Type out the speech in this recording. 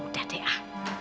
udah deh ah